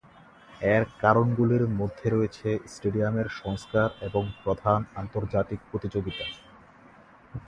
এর কারণগুলির মধ্যে রয়েছে স্টেডিয়ামের সংস্কার এবং প্রধান আন্তর্জাতিক প্রতিযোগিতা।